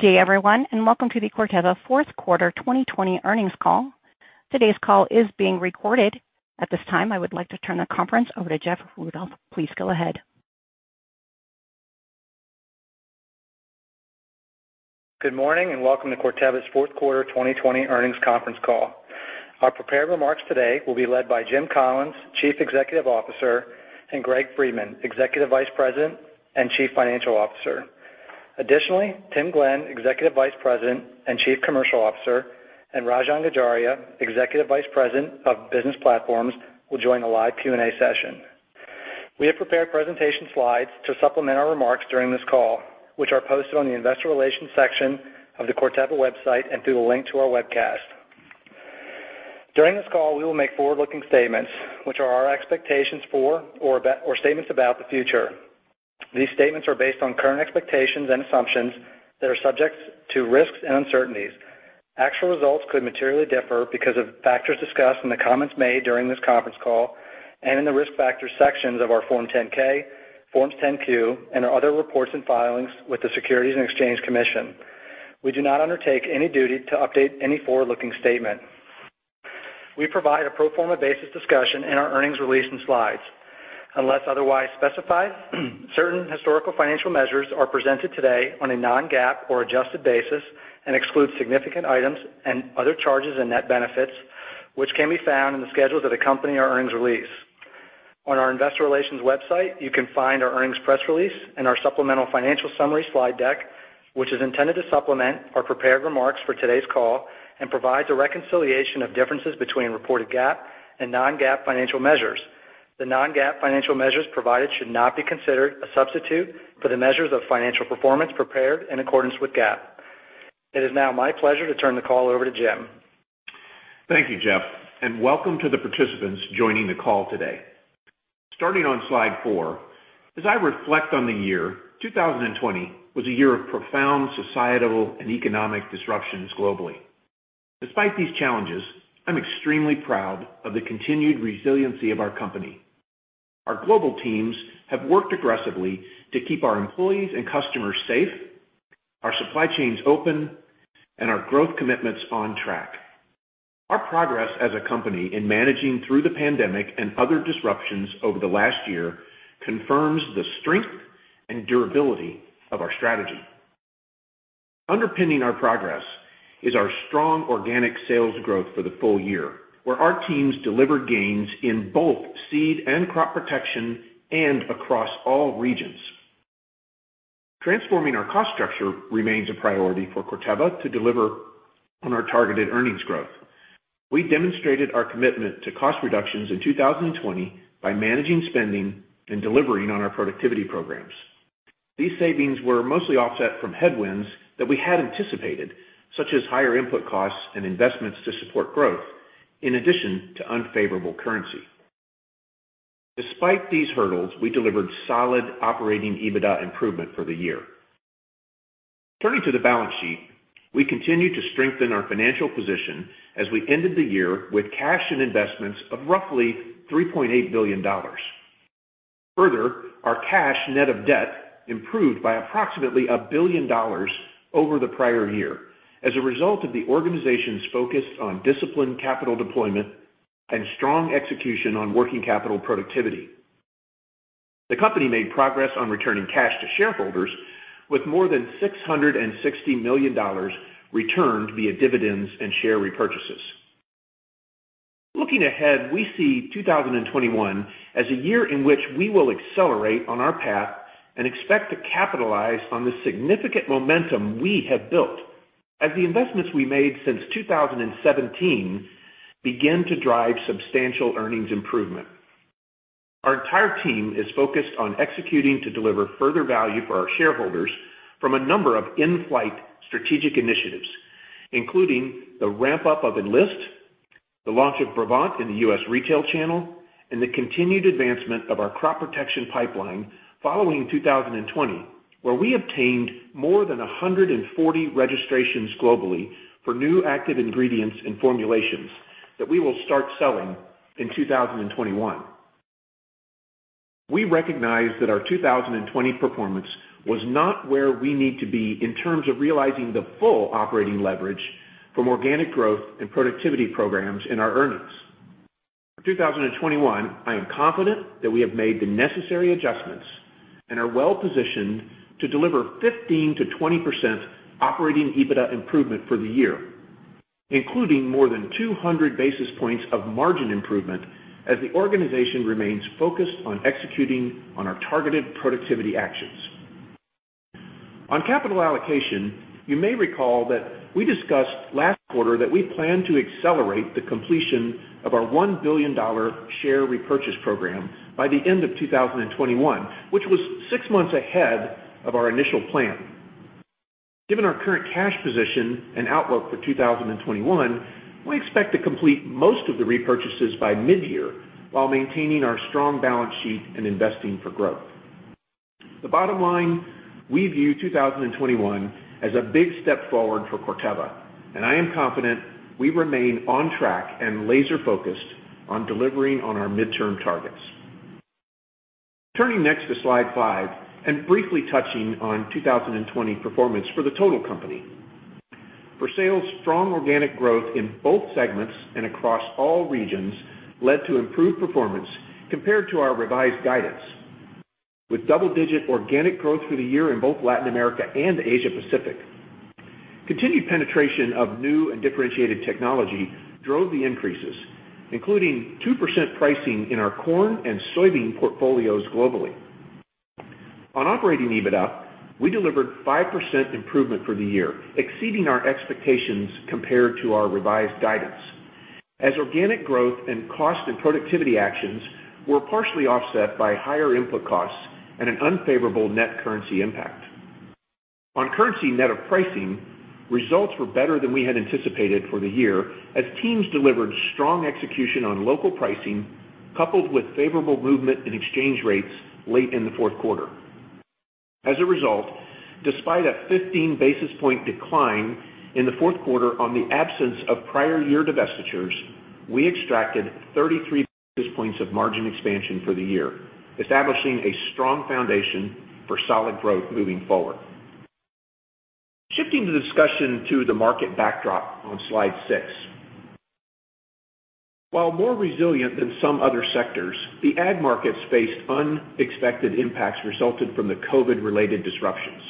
Good day, everyone, and welcome to the Corteva fourth quarter 2020 earnings call. Today's call is being recorded. At this time, I would like to turn the conference over to Jeff Rudolph. Please go ahead. Good morning, and welcome to Corteva's fourth quarter 2020 earnings conference call. Our prepared remarks today will be led by Jim Collins, Chief Executive Officer, and Greg Friedman, Executive Vice President and Chief Financial Officer. Additionally, Tim Glenn, Executive Vice President and Chief Commercial Officer, and Rajan Gajaria, Executive Vice President of Business Platforms, will join the live Q&A session. We have prepared presentation slides to supplement our remarks during this call, which are posted on the investor relations section of the Corteva website and through the link to our webcast. During this call, we will make forward-looking statements, which are our expectations for, or statements about the future. These statements are based on current expectations and assumptions that are subject to risks and uncertainties. Actual results could materially differ because of factors discussed in the comments made during this conference call and in the risk factor sections of our Form 10-K, Forms 10-Q, and our other reports and filings with the Securities and Exchange Commission. We do not undertake any duty to update any forward-looking statement. We provide a pro forma basis discussion in our earnings release and slides. Unless otherwise specified, certain historical financial measures are presented today on a non-GAAP or adjusted basis and exclude significant items and other charges and net benefits, which can be found in the schedules that accompany our earnings release. On our investor relations website, you can find our earnings press release and our supplemental financial summary slide deck, which is intended to supplement our prepared remarks for today's call and provides a reconciliation of differences between reported GAAP and non-GAAP financial measures. The non-GAAP financial measures provided should not be considered a substitute for the measures of financial performance prepared in accordance with GAAP. It is now my pleasure to turn the call over to Jim. Thank you, Jeff, and welcome to the participants joining the call today. Starting on slide four, as I reflect on the year, 2020 was a year of profound societal and economic disruptions globally. Despite these challenges, I'm extremely proud of the continued resiliency of our company. Our global teams have worked aggressively to keep our employees and customers safe, our supply chains open, and our growth commitments on track. Our progress as a company in managing through the pandemic and other disruptions over the last year confirms the strength and durability of our strategy. Underpinning our progress is our strong organic sales growth for the full year, where our teams delivered gains in both seed and crop protection and across all regions. Transforming our cost structure remains a priority for Corteva to deliver on our targeted earnings growth. We demonstrated our commitment to cost reductions in 2020 by managing spending and delivering on our productivity programs. These savings were mostly offset from headwinds that we had anticipated, such as higher input costs and investments to support growth, in addition to unfavorable currency. Despite these hurdles, we delivered solid operating EBITDA improvement for the year. Turning to the balance sheet, we continue to strengthen our financial position as we ended the year with cash and investments of roughly $3.8 billion. Further, our cash net of debt improved by approximately $1 billion over the prior year as a result of the organization's focus on disciplined capital deployment and strong execution on working capital productivity. The company made progress on returning cash to shareholders with more than $660 million returned via dividends and share repurchases. Looking ahead, we see 2021 as a year in which we will accelerate on our path and expect to capitalize on the significant momentum we have built as the investments we made since 2017 begin to drive substantial earnings improvement. Our entire team is focused on executing to deliver further value for our shareholders from a number of in-flight strategic initiatives, including the ramp-up of Enlist, the launch of Brevant in the U.S. retail channel, and the continued advancement of our crop protection pipeline following 2020, where we obtained more than 140 registrations globally for new active ingredients and formulations that we will start selling in 2021. We recognize that our 2020 performance was not where we need to be in terms of realizing the full operating leverage from organic growth and productivity programs in our earnings. For 2021, I am confident that we have made the necessary adjustments and are well-positioned to deliver 15%-20% operating EBITDA improvement for the year, including more than 200 basis points of margin improvement as the organization remains focused on executing on our targeted productivity actions. On capital allocation, you may recall that we discussed last quarter that we plan to accelerate the completion of our $1 billion share repurchase program by the end of 2021, which was six months ahead of our initial plan. Given our current cash position and outlook for 2021, we expect to complete most of the repurchases by mid year while maintaining our strong balance sheet and investing for growth. The bottom line, we view 2021 as a big step forward for Corteva, and I am confident we remain on track and laser-focused on delivering on our midterm targets. Turning next to slide five and briefly touching on 2020 performance for the total company. For sales, strong organic growth in both segments and across all regions led to improved performance compared to our revised guidance, with double-digit organic growth for the year in both Latin America and Asia-Pacific. Continued penetration of new and differentiated technology drove the increases, including 2% pricing in our corn and soybean portfolios globally. On operating EBITDA, we delivered 5% improvement for the year, exceeding our expectations compared to our revised guidance, as organic growth and cost and productivity actions were partially offset by higher input costs and an unfavorable net currency impact. On currency net of pricing, results were better than we had anticipated for the year as teams delivered strong execution on local pricing coupled with favorable movement in exchange rates late in the fourth quarter. As a result, despite a 15 basis point decline in the fourth quarter on the absence of prior year divestitures, we extracted 33 basis points of margin expansion for the year, establishing a strong foundation for solid growth moving forward. Shifting the discussion to the market backdrop on slide six. While more resilient than some other sectors, the agriculture markets faced unexpected impacts resulted from the COVID-related disruptions.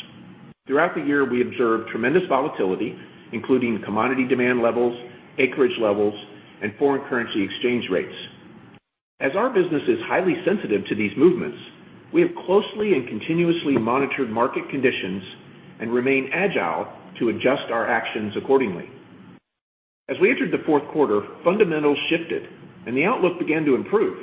Throughout the year, we observed tremendous volatility, including commodity demand levels, acreage levels, and foreign currency exchange rates. As our business is highly sensitive to these movements, we have closely and continuously monitored market conditions and remain agile to adjust our actions accordingly. As we entered the fourth quarter, fundamentals shifted and the outlook began to improve.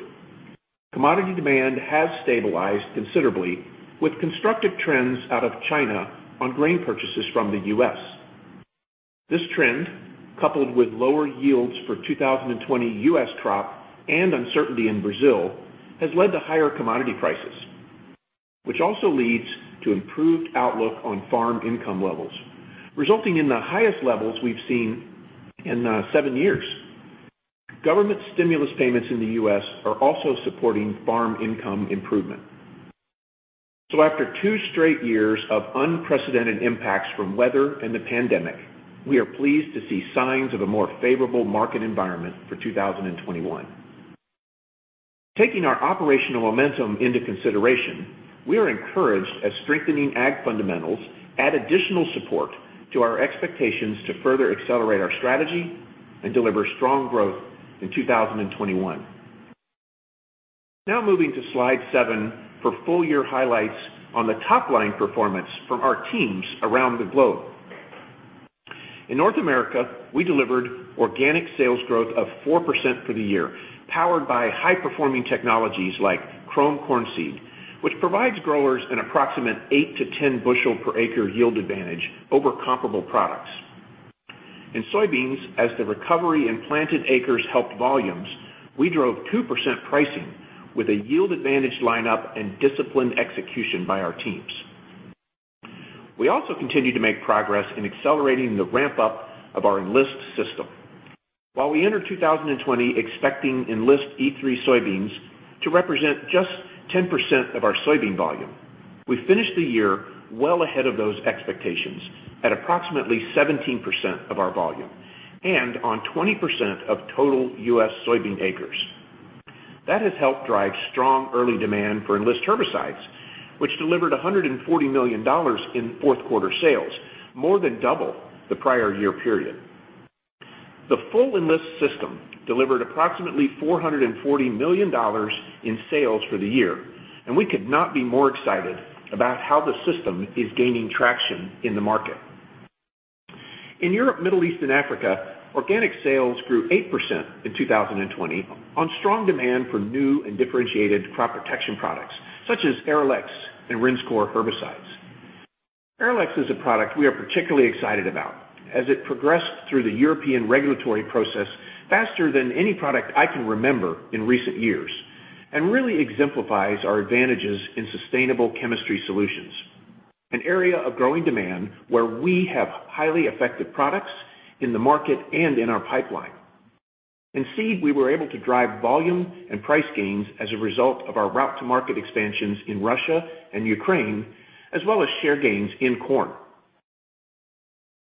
Commodity demand has stabilized considerably with constructive trends out of China on grain purchases from the U.S. This trend, coupled with lower yields for 2020 U.S. crop and uncertainty in Brazil, has led to higher commodity prices, which also leads to improved outlook on farm income levels, resulting in the highest levels we've seen in seven years. Government stimulus payments in the U.S. are also supporting farm income improvement. After two straight years of unprecedented impacts from weather and the pandemic, we are pleased to see signs of a more favorable market environment for 2021. Taking our operational momentum into consideration, we are encouraged as strengthening agriculture fundamentals add additional support to our expectations to further accelerate our strategy and deliver strong growth in 2021. Moving to slide seven for full year highlights on the top-line performance from our teams around the globe. In North America, we delivered organic sales growth of 4% for the year, powered by high-performing technologies like Qrome corn seed, which provides growers an approximate eight to 10 bushel per acre yield advantage over comparable products. In soybeans, as the recovery in planted acres helped volumes, we drove 2% pricing with a yield advantage lineup and disciplined execution by our teams. We also continued to make progress in accelerating the ramp-up of our Enlist system. While we entered 2020 expecting Enlist E3 soybeans to represent just 10% of our soybean volume, we finished the year well ahead of those expectations at approximately 17% of our volume and on 20% of total U.S. soybean acres. That has helped drive strong early demand for Enlist herbicides, which delivered $140 million in fourth quarter sales, more than double the prior year period. We could not be more excited about how the system is gaining traction in the market. In Europe, Middle East, and Africa, organic sales grew 8% in 2020 on strong demand for new and differentiated crop protection products, such as Arylex and Rinskor herbicides. Arylex is a product we are particularly excited about, as it progressed through the European regulatory process faster than any product I can remember in recent years and really exemplifies our advantages in sustainable chemistry solutions, an area of growing demand where we have highly effective products in the market and in our pipeline. In seed, we were able to drive volume and price gains as a result of our route to market expansions in Russia and Ukraine, as well as share gains in corn.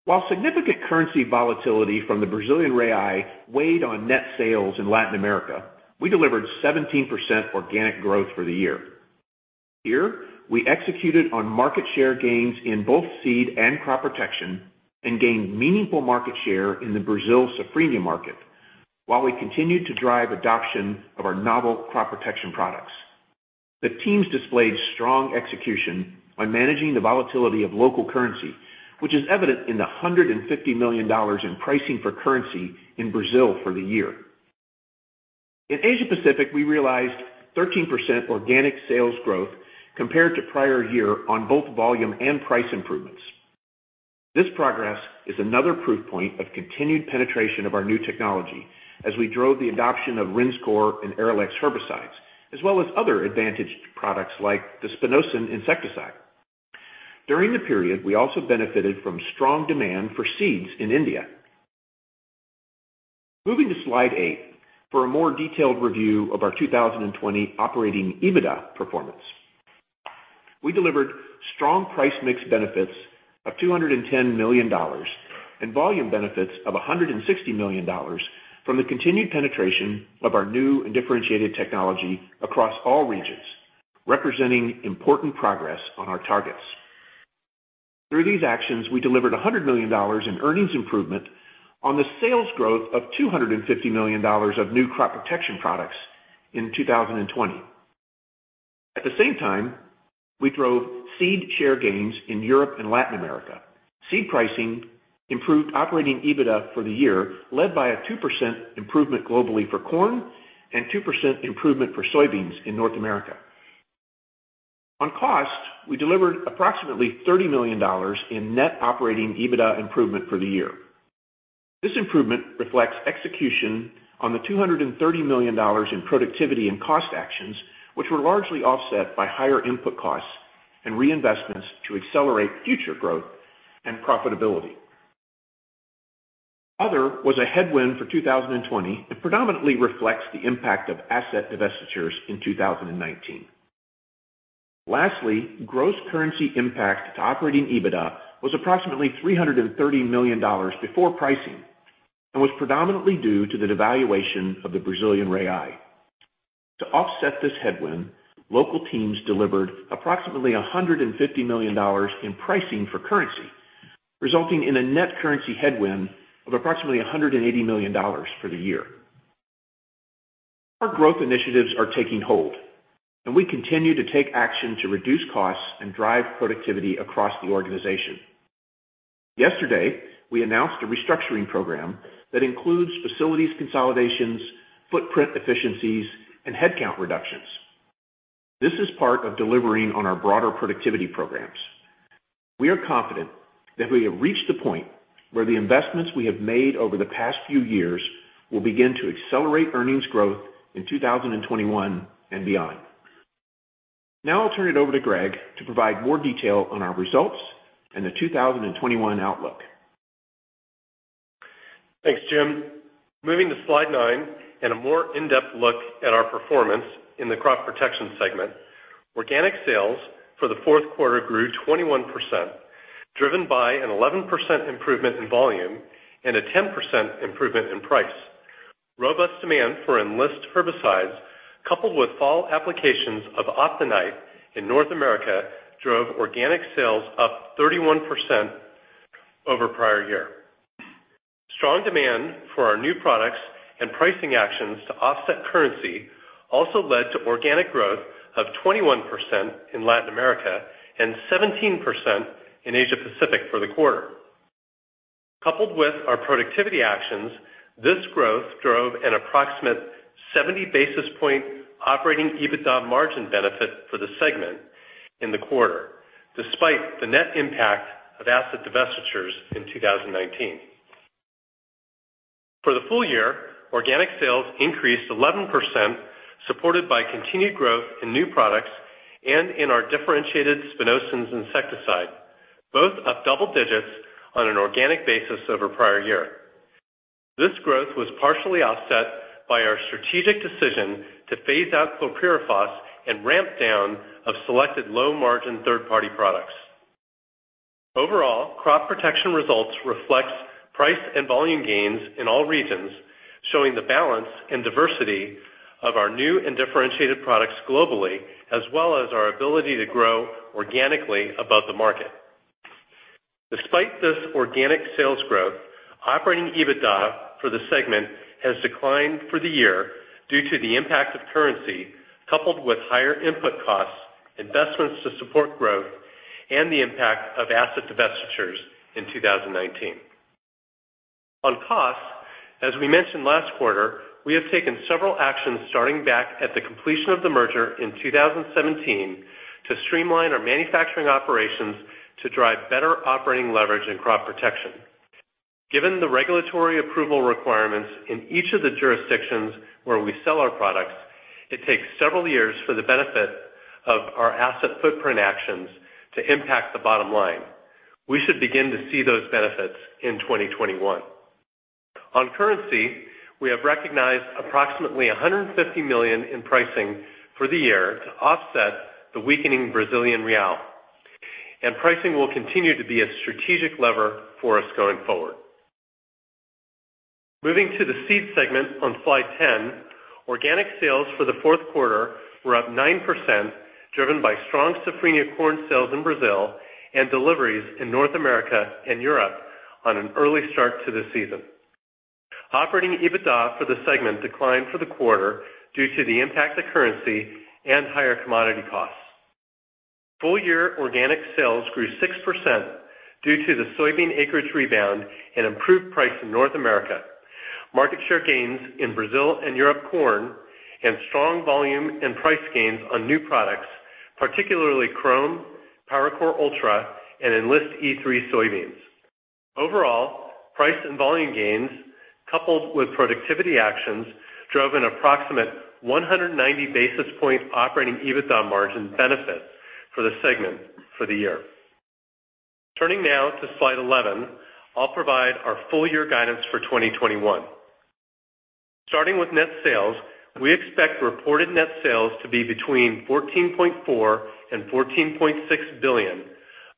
While significant currency volatility from the Brazilian real weighed on net sales in Latin America, we delivered 17% organic growth for the year. Here, we executed on market share gains in both seed and crop protection and gained meaningful market share in the Brazil safrinha market, while we continued to drive adoption of our novel crop protection products. The teams displayed strong execution by managing the volatility of local currency, which is evident in the $150 million in pricing for currency in Brazil for the year. In Asia-Pacific, we realized 13% organic sales growth compared to prior year on both volume and price improvements. This progress is another proof point of continued penetration of our new technology as we drove the adoption of Rinskor and Arylex herbicides, as well as other advantaged products like the spinosyn insecticide. During the period, we also benefited from strong demand for seeds in India. Moving to slide eight for a more detailed review of our 2020 operating EBITDA performance. We delivered strong price mix benefits of $210 million and volume benefits of $160 million from the continued penetration of our new and differentiated technology across all regions, representing important progress on our targets. Through these actions, we delivered $100 million in earnings improvement on the sales growth of $250 million of new crop protection products in 2020. At the same time, we drove seed share gains in Europe and Latin America. Seed pricing improved operating EBITDA for the year, led by a 2% improvement globally for corn and 2% improvement for soybeans in North America. On cost, we delivered approximately $30 million in net operating EBITDA improvement for the year. This improvement reflects execution on the $230 million in productivity and cost actions, which were largely offset by higher input costs and reinvestments to accelerate future growth and profitability. Other was a headwind for 2020 and predominantly reflects the impact of asset divestitures in 2019. Lastly, gross currency impact to operating EBITDA was approximately $330 million before pricing and was predominantly due to the devaluation of the Brazilian real. To offset this headwind, local teams delivered approximately $150 million in pricing for currency, resulting in a net currency headwind of approximately $180 million for the year. Our growth initiatives are taking hold, and we continue to take action to reduce costs and drive productivity across the organization. Yesterday, we announced a restructuring program that includes facilities consolidations, footprint efficiencies, and headcount reductions. This is part of delivering on our broader productivity programs. We are confident that we have reached the point where the investments we have made over the past few years will begin to accelerate earnings growth in 2021 and beyond. I'll turn it over to Greg to provide more detail on our results and the 2021 outlook. Thanks, Jim. Moving to slide nine and a more in-depth look at our performance in the crop protection segment. Organic sales for the fourth quarter grew 21%, driven by an 11% improvement in volume and a 10% improvement in price. Robust demand for Enlist herbicides, coupled with fall applications of Optinyte in North America, drove organic sales up 31% over prior year. Strong demand for our new products and pricing actions to offset currency also led to organic growth of 21% in Latin America and 17% in Asia Pacific for the quarter. Coupled with our productivity actions, this growth drove an approximate 70 basis point operating EBITDA margin benefit for the segment in the quarter, despite the net impact of asset divestitures in 2019. For the full year, organic sales increased 11%, supported by continued growth in new products and in our differentiated spinosyns insecticide, both up double digits on an organic basis over prior year. This growth was partially offset by our strategic decision to phase-out chlorpyrifos and ramp down of selected low-margin third-party products. Overall, crop protection results reflect price and volume gains in all regions, showing the balance and diversity of our new and differentiated products globally, as well as our ability to grow organically above the market. Despite this organic sales growth, operating EBITDA for the segment has declined for the year due to the impact of currency, coupled with higher input costs, investments to support growth, and the impact of asset divestitures in 2019. On cost, as we mentioned last quarter, we have taken several actions starting back at the completion of the merger in 2017 to streamline our manufacturing operations to drive better operating leverage and crop protection. Given the regulatory approval requirements in each of the jurisdictions where we sell our products, it takes several years for the benefit of our asset footprint actions to impact the bottom line. We should begin to see those benefits in 2021. On currency, we have recognized approximately $150 million in pricing for the year to offset the weakening Brazilian real. Pricing will continue to be a strategic lever for us going forward. Moving to the seed segment on slide 10, organic sales for the fourth quarter were up 9%, driven by strong safrinha corn sales in Brazil and deliveries in North America and Europe on an early start to the season. Operating EBITDA for the segment declined for the quarter due to the impact of currency and higher commodity costs. Full year organic sales grew 6% due to the soybean acreage rebound and improved price in North America, market share gains in Brazil and Europe corn, and strong volume and price gains on new products, particularly Qrome, PowerCore Ultra, and Enlist E3 soybeans. Overall, price and volume gains, coupled with productivity actions, drove an approximate 190 basis point operating EBITDA margin benefit for the segment for the year. Turning now to slide 11, I'll provide our full year guidance for 2021. Starting with net sales, we expect reported net sales to be between $14.4 billion and $14.6 billion,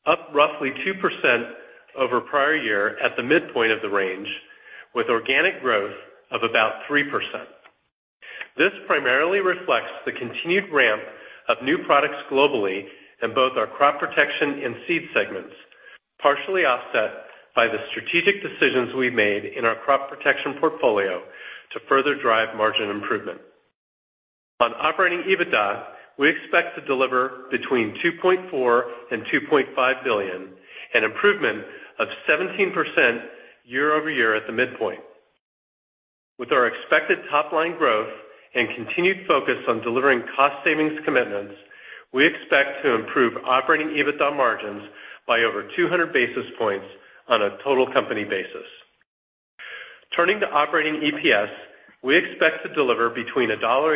up roughly 2% over prior year at the midpoint of the range, with organic growth of about 3%. This primarily reflects the continued ramp of new products globally in both our crop protection and seed segments, partially offset by the strategic decisions we've made in our crop protection portfolio to further drive margin improvement. On operating EBITDA, we expect to deliver between $2.4 billion and $2.5 billion, an improvement of 17% year-over-year at the midpoint. With our expected top line growth and continued focus on delivering cost savings commitments, we expect to improve operating EBITDA margins by over 200 basis points on a total company basis. Turning to operating EPS, we expect to deliver between $1.85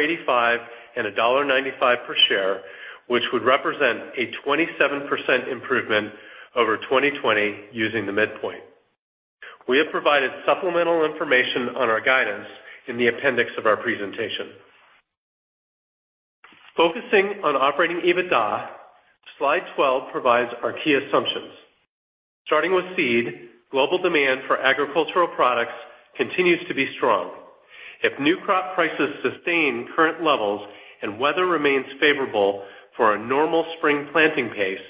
and $1.95 per share, which would represent a 27% improvement over 2020 using the midpoint. We have provided supplemental information on our guidance in the appendix of our presentation. Focusing on operating EBITDA, slide 12 provides our key assumptions. Starting with seed, global demand for agricultural products continues to be strong. If new crop prices sustain current levels and weather remains favorable for a normal spring planting pace,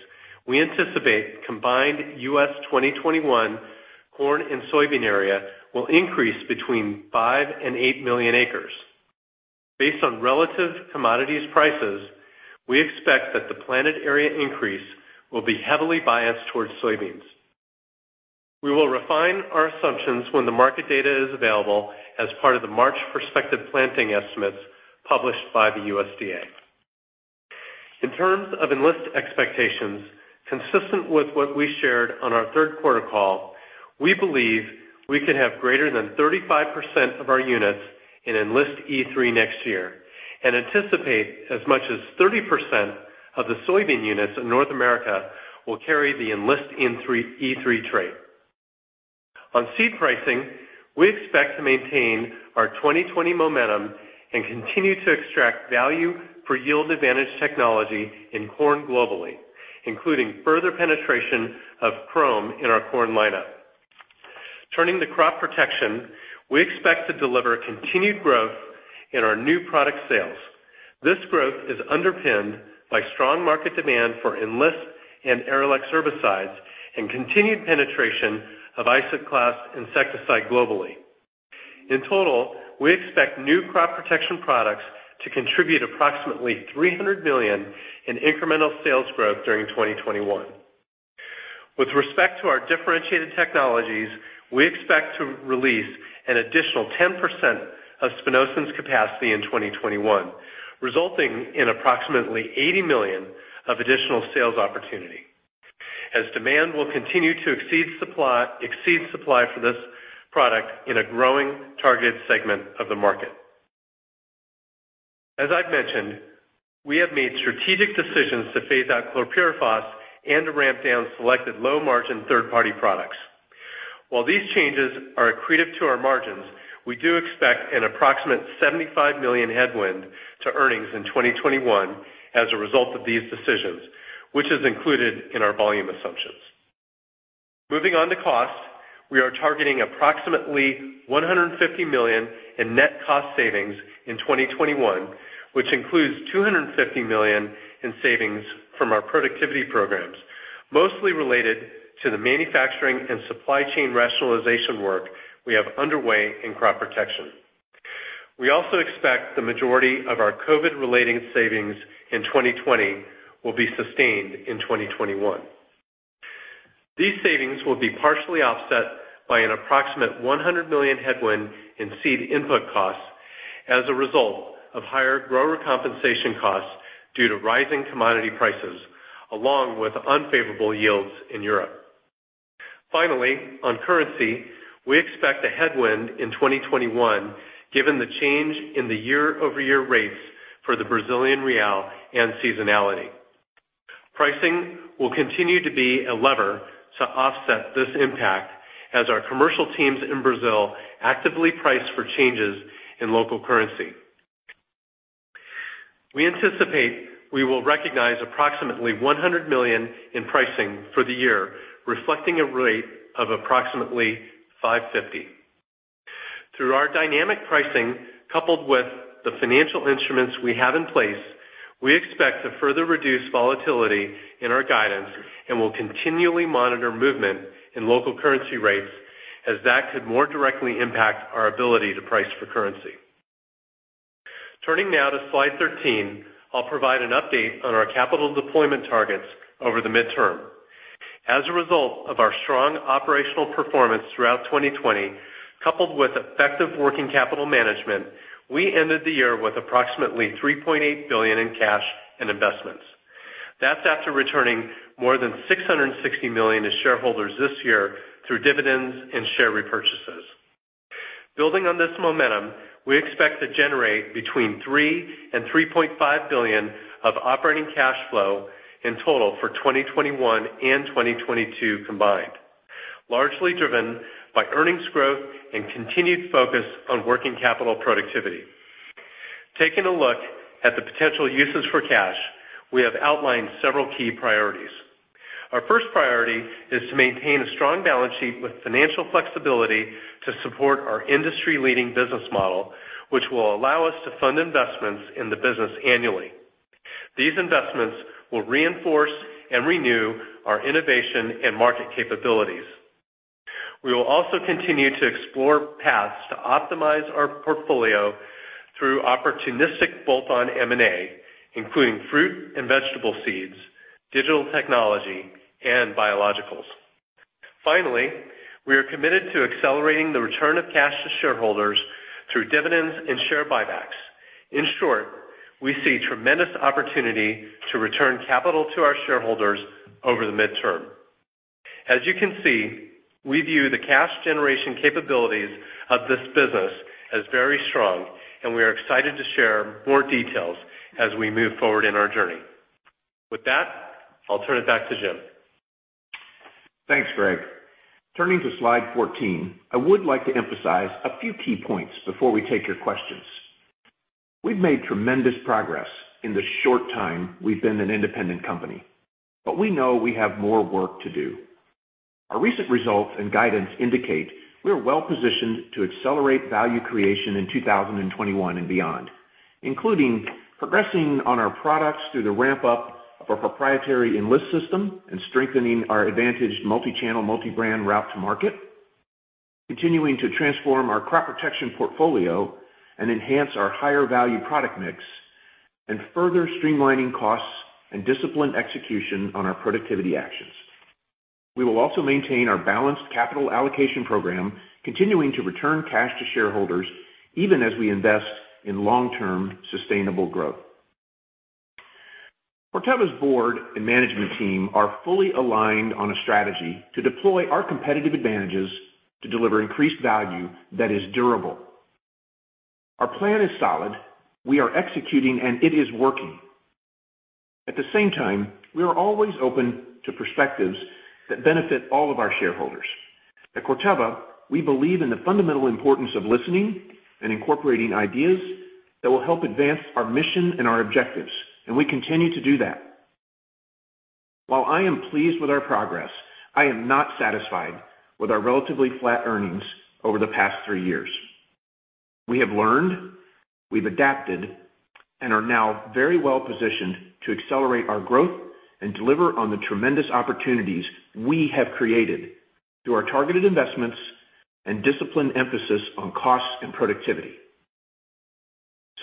we anticipate combined U.S. 2021 corn and soybean area will increase between 5 and 8 million acres. Based on relative commodities prices, we expect that the planted area increase will be heavily biased towards soybeans. We will refine our assumptions when the market data is available as part of the March prospective planting estimates published by the USDA. In terms of Enlist expectations, consistent with what we shared on our third quarter call, we believe we could have greater than 35% of our units in Enlist E3 next year, and anticipate as much as 30% of the soybean units in North America will carry the Enlist E3 trait. On seed pricing, we expect to maintain our 2020 momentum and continue to extract value for yield advantage technology in corn globally, including further penetration of Qrome in our corn lineup. Turning to crop protection, we expect to deliver continued growth in our new product sales. This growth is underpinned by strong market demand for Enlist and Arylex herbicides and continued penetration of Isoclast insecticide globally. In total, we expect new crop protection products to contribute approximately $300 million in incremental sales growth during 2021. With respect to our differentiated technologies, we expect to release an additional 10% of spinosyns capacity in 2021, resulting in approximately $80 million of additional sales opportunity, as demand will continue to exceed supply for this product in a growing targeted segment of the market. As I've mentioned, we have made strategic decisions to phase-out chlorpyrifos and to ramp down selected low-margin third-party products. While these changes are accretive to our margins, we do expect an approximate $75 million headwind to earnings in 2021 as a result of these decisions, which is included in our volume assumptions. Moving on to costs, we are targeting approximately $150 million in net cost savings in 2021, which includes $250 million in savings from our productivity programs, mostly related to the manufacturing and supply chain rationalization work we have underway in crop protection. We also expect the majority of our COVID-related savings in 2020 will be sustained in 2021. These savings will be partially offset by an approximate $100 million headwind in seed input costs as a result of higher grower compensation costs due to rising commodity prices, along with unfavorable yields in Europe. Finally, on currency, we expect a headwind in 2021 given the change in the year-over-year rates for the Brazilian real and seasonality. Pricing will continue to be a lever to offset this impact as our commercial teams in Brazil actively price for changes in local currency. We anticipate we will recognize approximately $100 million in pricing for the year, reflecting a rate of approximately 550. Through our dynamic pricing, coupled with the financial instruments we have in place, we expect to further reduce volatility in our guidance and will continually monitor movement in local currency rates as that could more directly impact our ability to price for currency. Turning now to slide 13, I'll provide an update on our capital deployment targets over the midterm. As a result of our strong operational performance throughout 2020, coupled with effective working capital management, we ended the year with approximately $3.8 billion in cash and investments. That's after returning more than $660 million to shareholders this year through dividends and share repurchases. Building on this momentum, we expect to generate between $3 billion and $3.5 billion of operating cash flow in total for 2021 and 2022 combined, largely driven by earnings growth and continued focus on working capital productivity. Taking a look at the potential uses for cash, we have outlined several key priorities. Our first priority is to maintain a strong balance sheet with financial flexibility to support our industry-leading business model, which will allow us to fund investments in the business annually. These investments will reinforce and renew our innovation and market capabilities. We will also continue to explore paths to optimize our portfolio through opportunistic bolt-on M&A, including fruit and vegetable seeds, digital technology, and biologicals. Finally, we are committed to accelerating the return of cash to shareholders through dividends and share buybacks. In short, we see tremendous opportunity to return capital to our shareholders over the midterm. As you can see, we view the cash generation capabilities of this business as very strong, and we are excited to share more details as we move forward in our journey. With that, I'll turn it back to Jim. Thanks, Greg. Turning to slide 14, I would like to emphasize a few key points before we take your questions. We've made tremendous progress in the short time we've been an independent company, but we know we have more work to do. Our recent results and guidance indicate we are well-positioned to accelerate value creation in 2021 and beyond, including progressing on our products through the ramp-up of our proprietary Enlist system and strengthening our advantaged multi-channel, multi-brand route to market, continuing to transform our crop protection portfolio and enhance our higher value product mix, and further streamlining costs and disciplined execution on our productivity actions. We will also maintain our balanced capital allocation program, continuing to return cash to shareholders even as we invest in long-term sustainable growth. Corteva's board and management team are fully aligned on a strategy to deploy our competitive advantages to deliver increased value that is durable. Our plan is solid. We are executing, and it is working. At the same time, we are always open to perspectives that benefit all of our shareholders. At Corteva, we believe in the fundamental importance of listening and incorporating ideas that will help advance our mission and our objectives, and we continue to do that. While I am pleased with our progress, I am not satisfied with our relatively flat earnings over the past three years. We have learned, we've adapted, and are now very well-positioned to accelerate our growth and deliver on the tremendous opportunities we have created through our targeted investments and disciplined emphasis on costs and productivity.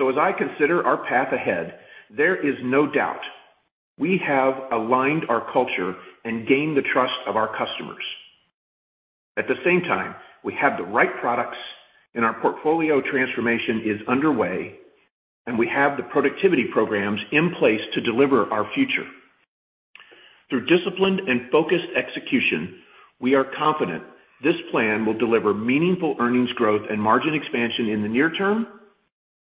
As I consider our path ahead, there is no doubt we have aligned our culture and gained the trust of our customers. At the same time, we have the right products and our portfolio transformation is underway, and we have the productivity programs in place to deliver our future. Through disciplined and focused execution, we are confident this plan will deliver meaningful earnings growth and margin expansion in the near term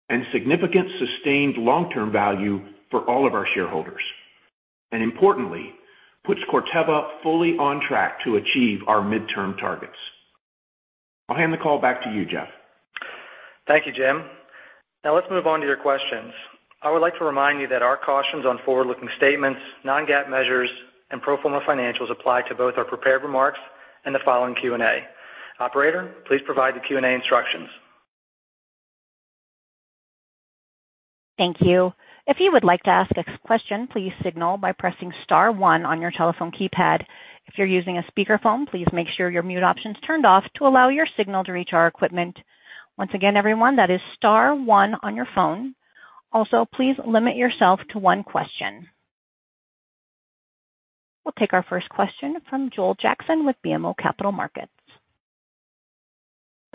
and significant sustained long-term value for all of our shareholders. Importantly, puts Corteva fully on track to achieve our midterm targets. I'll hand the call back to you, Jeff. Thank you, Jim. Let's move on to your questions. I would like to remind you that our cautions on forward-looking statements, non-GAAP measures, and pro forma financials apply to both our prepared remarks and the following Q&A. Operator, please provide the Q&A instructions. Thank you. If you would like to ask a question, please signal by pressing star one on your telephone keypad. If you're using a speakerphone, please make sure your mute option's turned off to allow your signal to reach our equipment. Once again, everyone, that is star one on your phone. Also, please limit yourself to one question. We'll take our first question from Joel Jackson with BMO Capital Markets.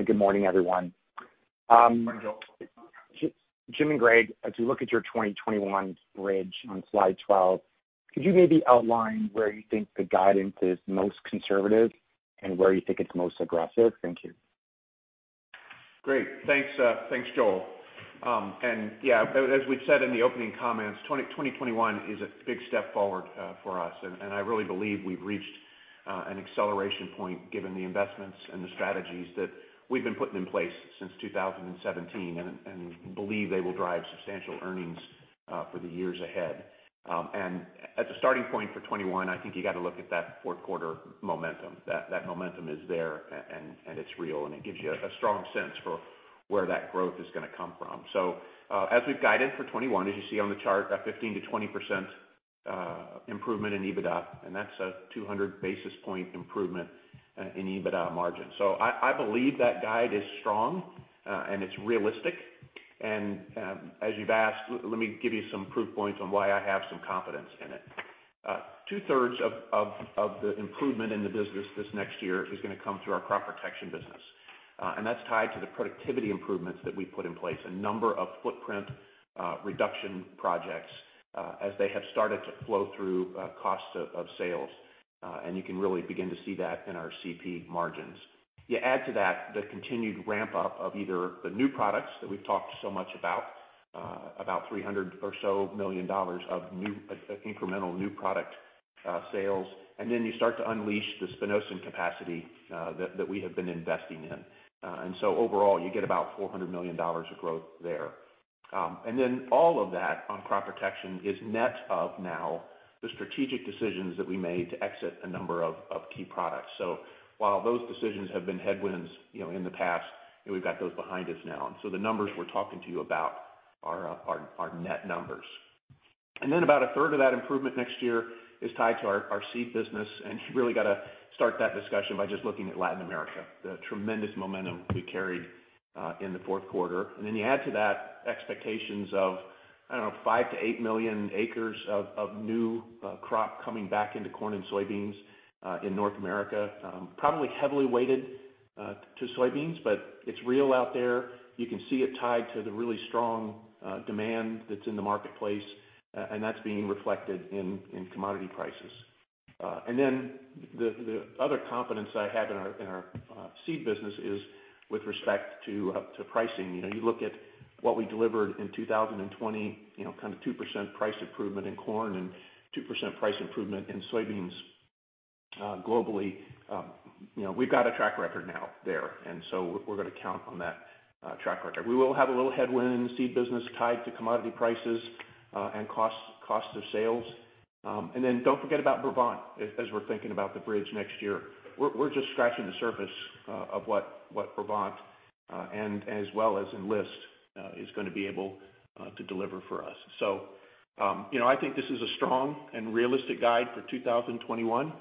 Good morning, everyone. Morning, Joel. Jim and Greg, as you look at your 2021 bridge on slide 12, could you maybe outline where you think the guidance is most conservative and where you think it's most aggressive? Thank you. Great. Thanks, Joel. Yeah, as we've said in the opening comments, 2021 is a big step forward for us, and I really believe we've reached an acceleration point given the investments and the strategies that we've been putting in place since 2017 and believe they will drive substantial earnings for the years ahead. As a starting point for 2021, I think you got to look at that fourth quarter momentum. That momentum is there and it's real, and it gives you a strong sense for where that growth is going to come from. As we've guided for 2021, as you see on the chart, a 15%-20% improvement in EBITDA, and that's a 200 basis point improvement in EBITDA margin. I believe that guide is strong and it's realistic. As you've asked, let me give you some proof points on why I have some confidence in it. Two-thirds of the improvement in the business this next year is going to come through our crop protection business. That's tied to the productivity improvements that we've put in place, a number of footprint reduction projects as they have started to flow through cost of sales. You can really begin to see that in our CP margins. You add to that the continued ramp-up of either the new products that we've talked so much about $300 million or so of incremental new product sales. Then you start to unleash the spinosyn capacity that we have been investing in. Overall, you get about $400 million of growth there. All of that on crop protection is net of now the strategic decisions that we made to exit a number of key products. While those decisions have been headwinds in the past, we've got those behind us now. The numbers we're talking to you about are our net numbers. About a third of that improvement next year is tied to our seed business. You really got to start that discussion by just looking at Latin America, the tremendous momentum we carried in the fourth quarter. You add to that expectations of, I don't know, five to eight million acres of new crop coming back into corn and soybeans in North America. Probably heavily weighted to soybeans, but it's real out there. You can see it tied to the really strong demand that's in the marketplace, and that's being reflected in commodity prices. The other confidence I have in our seed business is with respect to pricing. You look at what we delivered in 2020, kind of 2% price improvement in corn and 2% price improvement in soybeans globally. We've got a track record now there. We're going to count on that track record. We will have a little headwind in the seed business tied to commodity prices and cost of sales. Don't forget about Brevant as we're thinking about the bridge next year. We're just scratching the surface of what Brevant, as well as Enlist, is going to be able to deliver for us. I think this is a strong and realistic guide for 2021.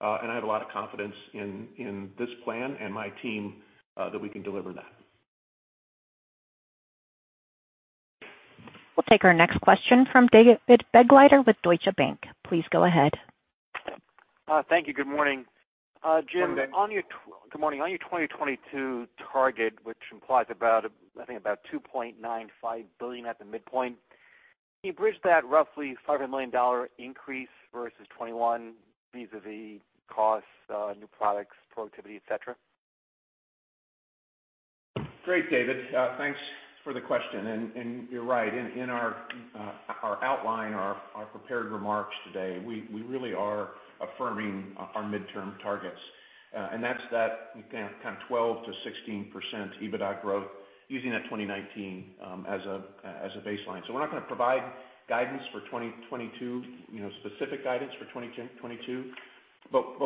I have a lot of confidence in this plan and my team that we can deliver that. We'll take our next question from David Begleiter with Deutsche Bank. Please go ahead. Thank you. Good morning. Good morning. Jim, on your 2022 target, which implies about, I think, about $2.95 billion at the midpoint, can you bridge that roughly $500 million increase versus 2021 vis-à-vis costs, new products, productivity, et cetera? Great, David. Thanks for the question. You're right. In our outline, our prepared remarks today, we really are affirming our midterm targets. That's that kind of 12%-16% EBITDA growth using that 2019 as a baseline. We're not going to provide guidance for 2022, specific guidance for 2022.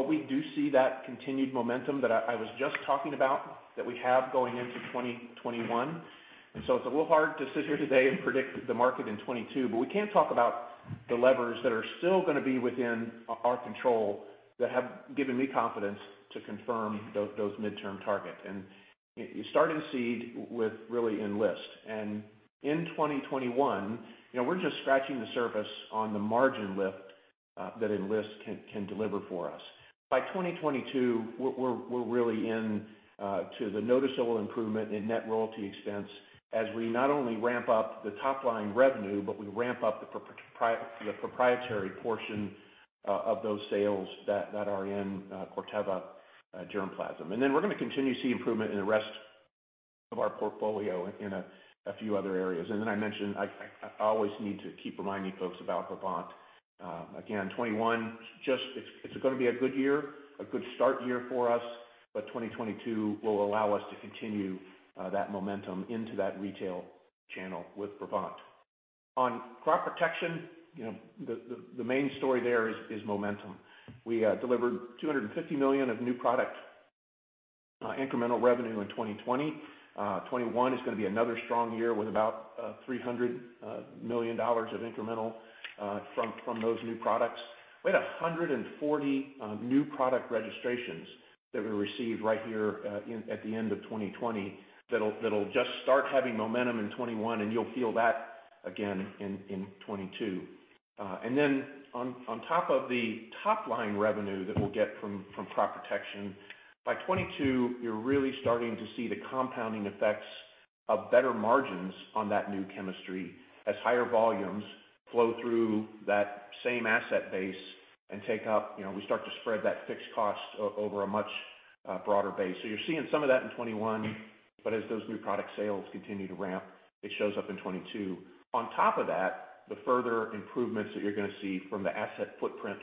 We do see that continued momentum that I was just talking about that we have going into 2021. It's a little hard to sit here today and predict the market in 2022, but we can talk about the levers that are still going to be within our control that have given me confidence to confirm those midterm targets. You start in seed with really Enlist. In 2021, we're just scratching the surface on the margin lift that Enlist can deliver for us. By 2022, we're really into the noticeable improvement in net royalty expense as we not only ramp up the top-line revenue, but we ramp up the proprietary portion of those sales that are in Corteva germplasm. We're going to continue to see improvement in the rest of our portfolio in a few other areas. I mentioned, I always need to keep reminding folks about Brevant. Again, 2021, it's going to be a good year, a good start year for us. 2022 will allow us to continue that momentum into that retail channel with Brevant. On crop protection, the main story there is momentum. We delivered $250 million of new product incremental revenue in 2020. 2021 is going to be another strong year with about $300 million of incremental from those new products. We had 140 new product registrations that we received right here at the end of 2020 that'll just start having momentum in 2021, and you'll feel that again in 2022. Then on top of the top-line revenue that we'll get from crop protection, by 2022, you're really starting to see the compounding effects of better margins on that new chemistry as higher volumes flow through that same asset base. We start to spread that fixed cost over a much broader base. You're seeing some of that in 2021, but as those new product sales continue to ramp, it shows up in 2022. On top of that, the further improvements that you're going to see from the asset footprint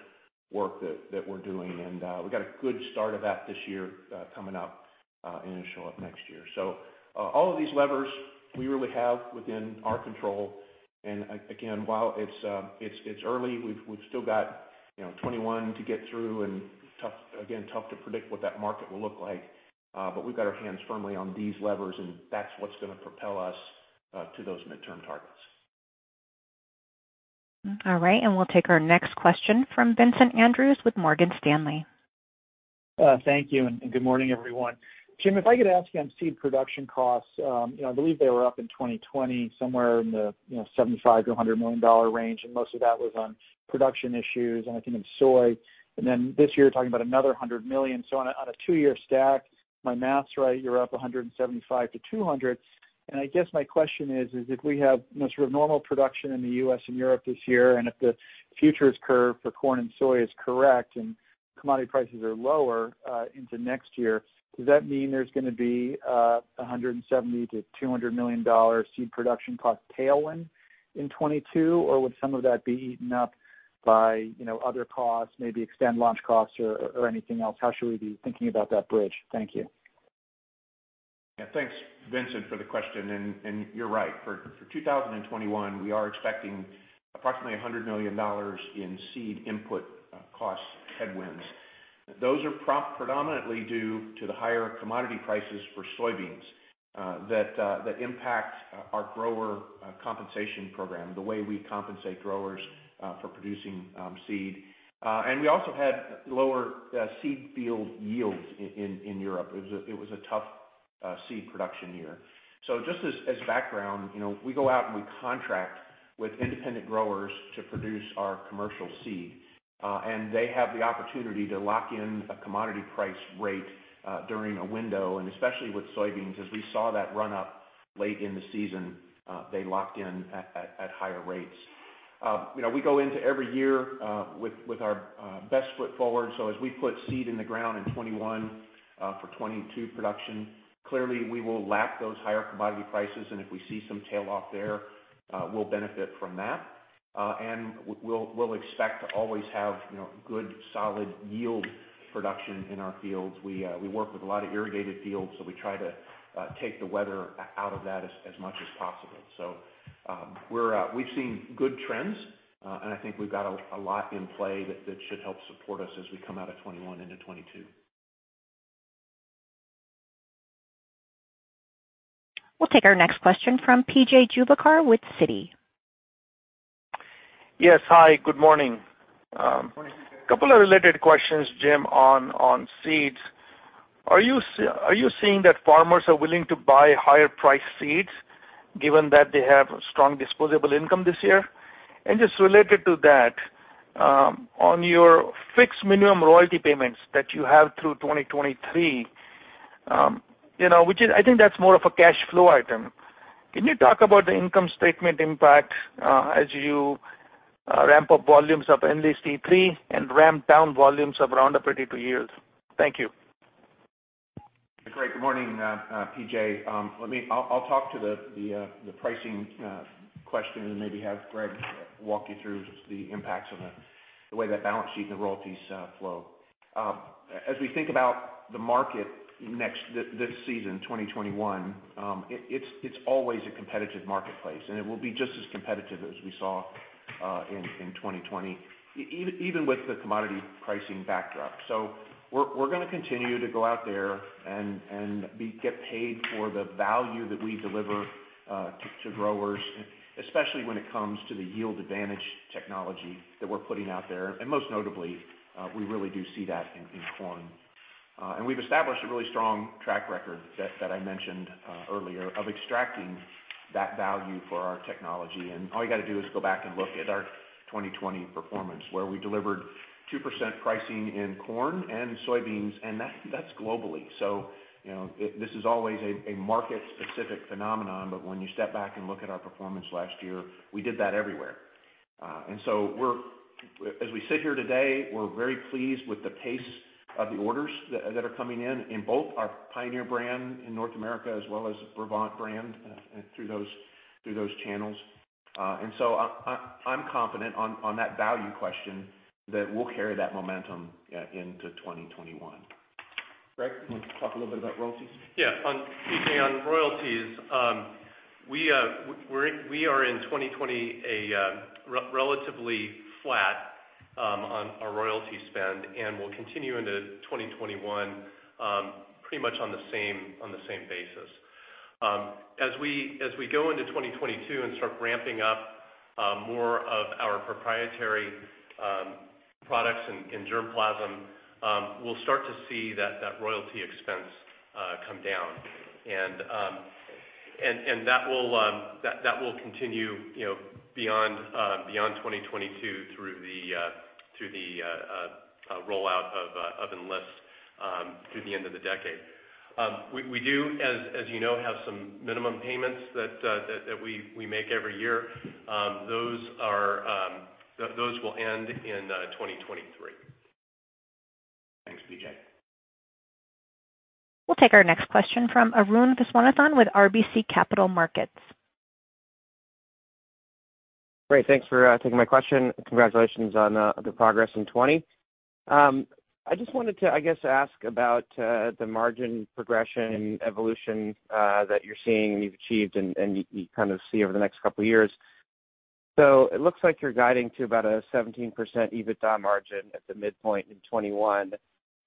work that we're doing, and we got a good start of that this year coming up, and it'll show up next year. All of these levers we really have within our control. Again, while it's early, we've still got 2021 to get through and, again, tough to predict what that market will look like. We've got our hands firmly on these levers, and that's what's going to propel us to those midterm targets. All right. We'll take our next question from Vincent Andrews with Morgan Stanley. Thank you. Good morning, everyone. Jim, if I could ask you on seed production costs, I believe they were up in 2020 somewhere in the $75 million-$100 million range, and most of that was on production issues, and I think in soy. Then this year, talking about another $100 million. On a two year stack, if my math's right, you're up $175 million-$200 million. I guess my question is if we have sort of normal production in the U.S. and Europe this year, and if the futures curve for corn and soy is correct and commodity prices are lower into next year, does that mean there's going to be a $170 million-$200 million seed production cost tailwind in 2022? Would some of that be eaten up by other costs, maybe extend launch costs or anything else? How should we be thinking about that bridge? Thank you. Thanks, Vincent, for the question, and you're right. For 2021, we are expecting approximately $100 million in seed input cost headwinds. Those are predominantly due to the higher commodity prices for soybeans that impact our grower compensation program, the way we compensate growers for producing seed. We also had lower seed field yields in Europe. It was a tough seed production year. Just as background, we go out and we contract with independent growers to produce our commercial seed. They have the opportunity to lock in a commodity price rate during a window and especially with soybeans, as we saw that run up late in the season, they locked in at higher rates. We go into every year with our best foot forward. As we put seed in the ground in 2021 for 2022 production, clearly we will lap those higher commodity prices. If we see some tail off there, we'll benefit from that. We'll expect to always have good, solid yield production in our fields. We work with a lot of irrigated fields, so we try to take the weather out of that as much as possible. We've seen good trends, and I think we've got a lot in play that should help support us as we come out of 2021 into 2022. We'll take our next question from PJ Juvekar with Citi. Yes. Hi, good morning. Morning, PJ. A couple of related questions, Jim, on seeds. Are you seeing that farmers are willing to buy higher priced seeds given that they have strong disposable income this year? Just related to that, on your fixed minimum royalty payments that you have through 2023, which I think that's more of a cash flow item, can you talk about the income statement impact as you ramp up volumes of Enlist E3 and ramp down volumes of Roundup Ready 2 Yield? Thank you. Great. Good morning, PJ. I'll talk to the pricing question and maybe have Greg walk you through just the impacts on the way that balance sheet and the royalties flow. We think about the market this season, 2021, it's always a competitive marketplace, and it will be just as competitive as we saw in 2020, even with the commodity pricing backdrop. We're going to continue to go out there and get paid for the value that we deliver to growers, especially when it comes to the yield advantage technology that we're putting out there. Most notably, we really do see that in corn. We've established a really strong track record that I mentioned earlier of extracting that value for our technology. All you got to do is go back and look at our 2020 performance, where we delivered 2% pricing in corn and soybeans, and that's globally. This is always a market-specific phenomenon, but when you step back and look at our performance last year, we did that everywhere. As we sit here today, we're very pleased with the pace of the orders that are coming in both our Pioneer brand in North America as well as the Brevant brand through those channels. I'm confident on that value question that we'll carry that momentum into 2021. Greg, you want to talk a little bit about royalties? PJ, on royalties, we are in 2020 relatively flat on our royalty spend, and we'll continue into 2021 pretty much on the same basis. As we go into 2022 and start ramping up more of our proprietary products in germplasm, we'll start to see that royalty expense come down. That will continue beyond 2022 through the rollout of Enlist through the end of the decade. We do, as you know, have some minimum payments that we make every year. Those will end in 2023. Thanks, PJ. We'll take our next question from Arun Viswanathan with RBC Capital Markets. Great. Thanks for taking my question. Congratulations on the progress in 2020. I just wanted to, I guess, ask about the margin progression evolution that you're seeing and you've achieved and you kind of see over the next couple of years. It looks like you're guiding to about a 17% EBITDA margin at the midpoint in 2021,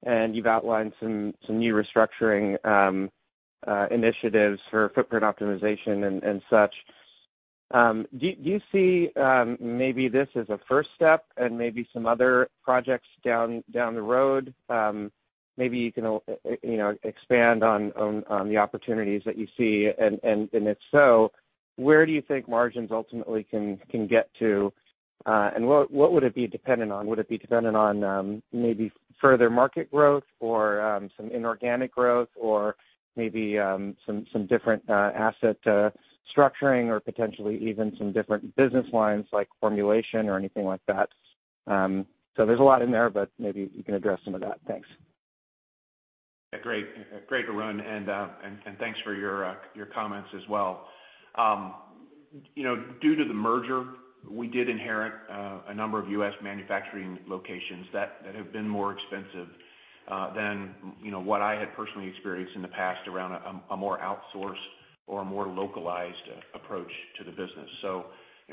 and you've outlined some new restructuring initiatives for footprint optimization and such. Do you see maybe this as a first step and maybe some other projects down the road? Maybe you can expand on the opportunities that you see. If so, where do you think margins ultimately can get to? What would it be dependent on? Would it be dependent on maybe further market growth or some inorganic growth or maybe some different asset structuring or potentially even some different business lines like formulation or anything like that? There's a lot in there, but maybe you can address some of that. Thanks. Yeah. Great, Arun, and thanks for your comments as well. Due to the merger, we did inherit a number of U.S. manufacturing locations that have been more expensive than what I had personally experienced in the past around a more outsourced or a more localized approach to the business.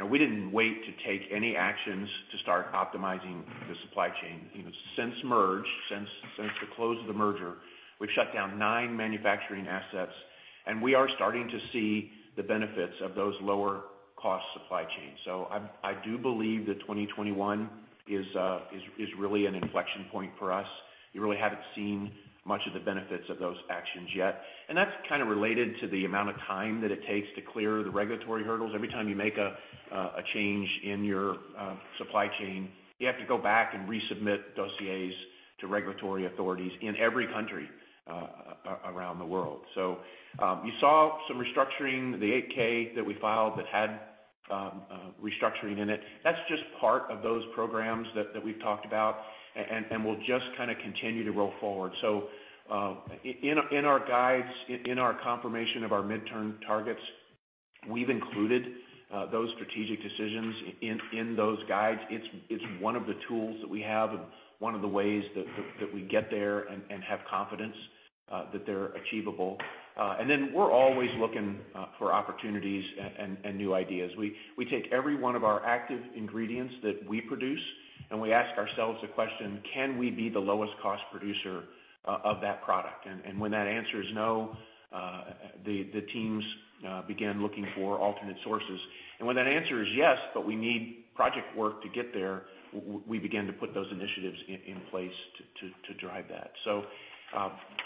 We didn't wait to take any actions to start optimizing the supply chain. Since the close of the merger, we've shut down nine manufacturing assets, and we are starting to see the benefits of those lower cost supply chains. I do believe that 2021 is really an inflection point for us. You really haven't seen much of the benefits of those actions yet, and that's kind of related to the amount of time that it takes to clear the regulatory hurdles. Every time you make a change in your supply chain, you have to go back and resubmit dossiers to regulatory authorities in every country around the world. You saw some restructuring. The 8-K that we filed that had restructuring in it, that's just part of those programs that we've talked about and will just kind of continue to roll forward. In our guides, in our confirmation of our midterm targets, we've included those strategic decisions in those guides. It's one of the tools that we have and one of the ways that we get there and have confidence that they're achievable. We're always looking for opportunities and new ideas. We take every one of our active ingredients that we produce, and we ask ourselves the question: Can we be the lowest cost producer of that product? When that answer is no, the teams begin looking for alternate sources. When that answer is yes, but we need project work to get there, we begin to put those initiatives in place to drive that.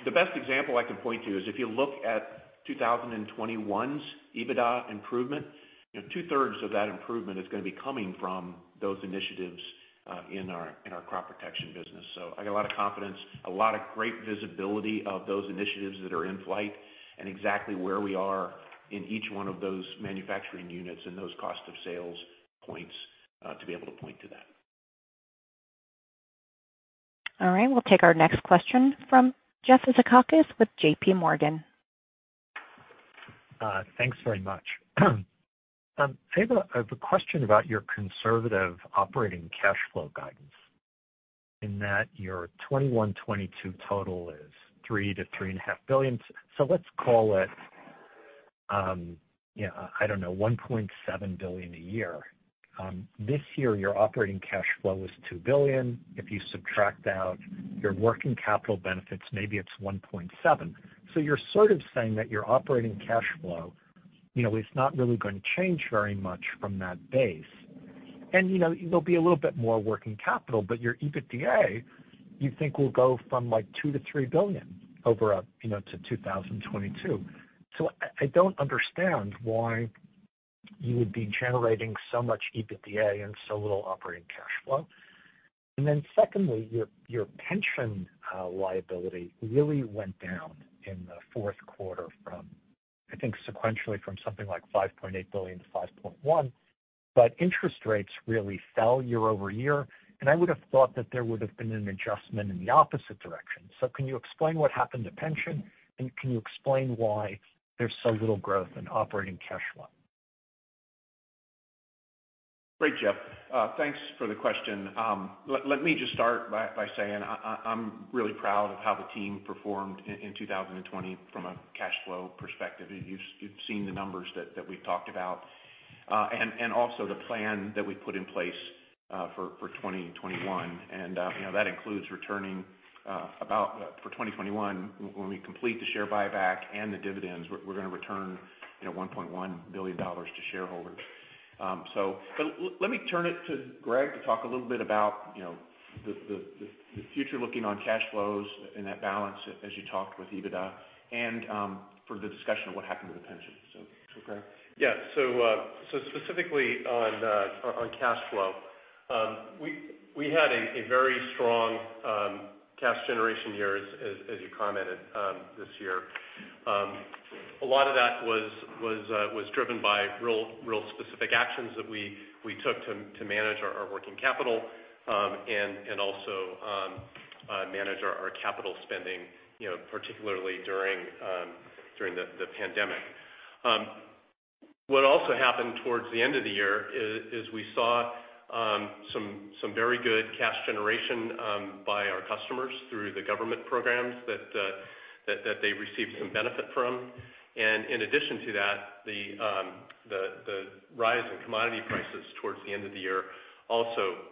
The best example I can point to is if you look at 2021's EBITDA improvement, two-thirds of that improvement is going to be coming from those initiatives in our crop protection business. I got a lot of confidence, a lot of great visibility of those initiatives that are in flight and exactly where we are in each one of those manufacturing units and those cost of sales points to be able to point to that. All right, we'll take our next question from Jeff Zekauskas with JPMorgan. Thanks very much. Further, I have a question about your conservative operating cash flow guidance in that your 2021, 2022 total is $3 billion-$3.5 billion. Let's call it, I don't know, $1.7 billion a year. This year, your operating cash flow was $2 billion. If you subtract out your working capital benefits, maybe it's $1.7. You're sort of saying that your operating cash flow is not really going to change very much from that base. There'll be a little bit more working capital, but your EBITDA, you think will go from like $2 billion-$3 billion over to 2022. I don't understand why you would be generating so much EBITDA and so little operating cash flow. Secondly, your pension liability really went down in the fourth quarter from, I think, sequentially from something like $5.8 billion-$5.1 billion. Interest rates really fell year-over-year, and I would have thought that there would have been an adjustment in the opposite direction. Can you explain what happened to pension, and can you explain why there's so little growth in operating cash flow? Great, Jeff. Thanks for the question. Let me just start by saying I'm really proud of how the team performed in 2020 from a cash flow perspective. You've seen the numbers that we've talked about. Also the plan that we put in place for 2021. That includes returning about, for 2021, when we complete the share buyback and the dividends, we're going to return $1.1 billion to shareholders. Let me turn it to Greg to talk a little bit about the future looking on cash flows and that balance as you talked with EBITDA and for the discussion of what happened with pensions. Greg? Yeah. Specifically on cash flow. We had a very strong cash generation year, as you commented this year. A lot of that was driven by real specific actions that we took to manage our working capital and also manage our capital spending, particularly during the pandemic. What also happened towards the end of the year is we saw some very good cash generation by our customers through the government programs that they received some benefit from. In addition to that, the rise in commodity prices towards the end of the year also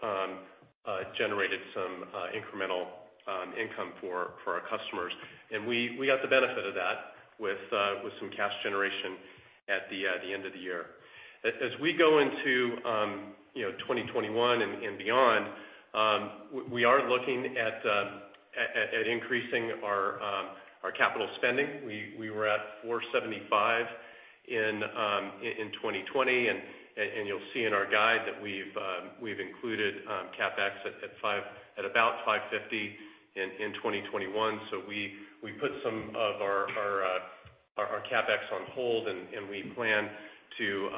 generated some incremental income for our customers. We got the benefit of that with some cash generation at the end of the year. As we go into 2021 and beyond, we are looking at increasing our capital spending. We were at $475 in 2020. You'll see in our guide that we've included CapEx at about $550 in 2021. We put some of our CapEx on hold, and we plan to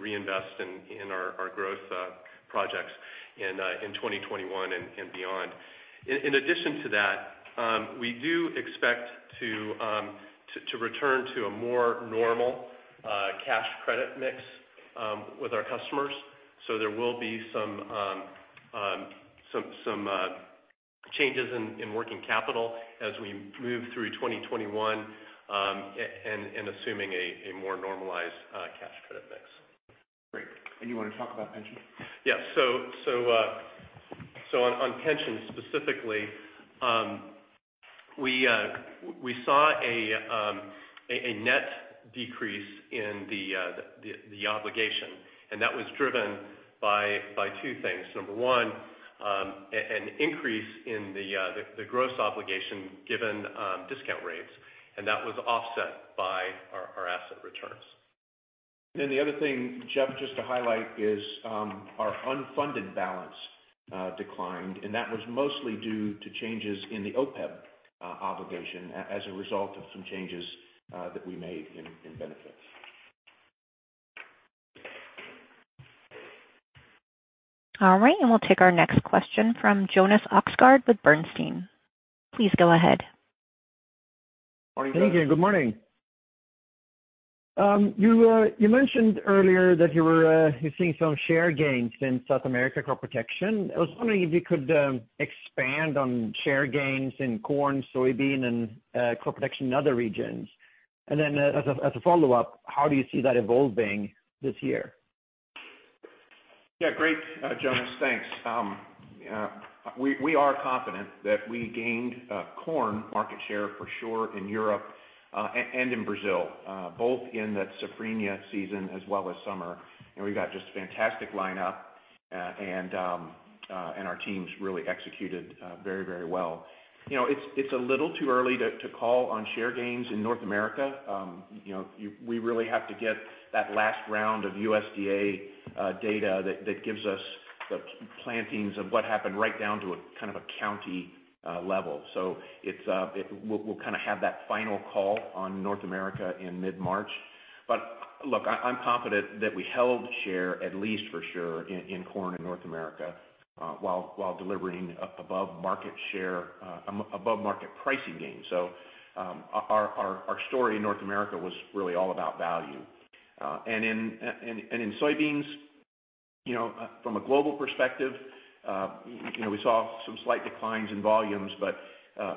reinvest in our growth projects in 2021 and beyond. In addition to that, we do expect to return to a more normal cash credit mix with our customers. There will be some changes in working capital as we move through 2021, and assuming a more normalized cash credit mix. Great. You want to talk about pensions? Yeah. On pensions specifically, we saw a net decrease in the obligation, and that was driven by two things. Number one, an increase in the gross obligation given discount rates, and that was offset by our asset returns. The other thing, Jeff, just to highlight, is our unfunded balance declined, and that was mostly due to changes in the OPEB obligation as a result of some changes that we made in benefits. All right. We'll take our next question from Jonas Oxgaard with Bernstein. Please go ahead. Morning, Jonas. Thank you. Good morning. You mentioned earlier that you're seeing some share gains in South America crop protection. I was wondering if you could expand on share gains in corn, soybean, and crop protection in other regions. As a follow-up, how do you see that evolving this year? Yeah. Great, Jonas, thanks. We are confident that we gained corn market share for sure in Europe and in Brazil, both in the safrinha season as well as summer. We've got just a fantastic lineup, and our teams really executed very well. It's a little too early to call on share gains in North America. We really have to get that last round of USDA data that gives us the plantings of what happened right down to a county level. We'll have that final call on North America in mid-March. Look, I'm confident that we held share, at least for sure in corn in North America, while delivering above-market pricing gains. Our story in North America was really all about value. In soybeans, from a global perspective, we saw some slight declines in volumes.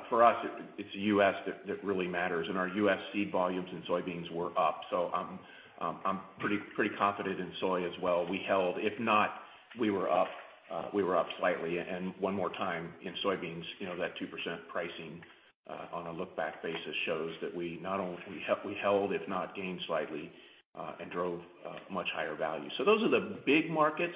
For us, it's the U.S. that really matters. Our U.S. seed volumes in soybeans were up. I'm pretty confident in soy as well. We held, if not, we were up slightly. One more time, in soybeans, that 2% pricing on a look-back basis shows that we held, if not gained slightly, and drove much higher value. Those are the big markets,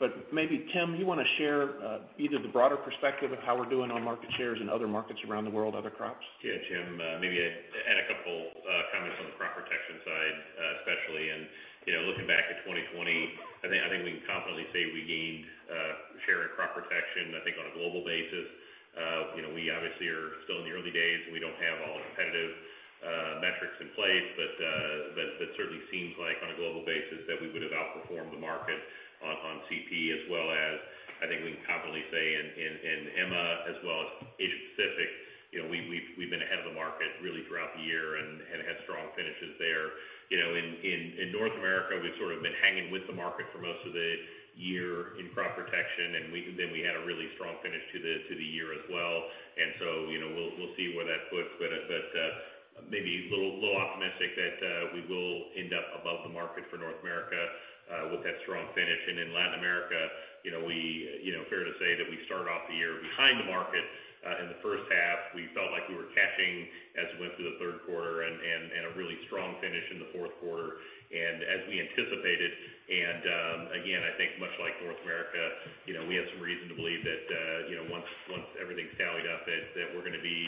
but maybe Tim, you want to share either the broader perspective of how we're doing on market shares in other markets around the world, other crops? Yeah, Jim. Maybe add a couple comments on the crop protection side especially. Looking back at 2020, I think we can confidently say we gained share in crop protection, I think on a global basis. We obviously are still in the early days, and we don't have all the competitive metrics in place. That certainly seems like on a global basis that we would have outperformed the market on CP as well as, I think we can confidently say in EMEA as well as Asia Pacific, we've been ahead of the market really throughout the year and had strong finishes there. In North America, we've sort of been hanging with the market for most of the year in crop protection. Then we had a really strong finish to the year as well. We'll see where that puts, but maybe a little optimistic that we will end up above the market for North America with that strong finish. In Latin America, fair to say that we started off the year behind the market in the first half. We felt like we were catching as we went through the third quarter and a really strong finish in the fourth quarter. As we anticipated, and again, I think much like North America, we have some reason to believe that once everything's tallied up, that we're going to be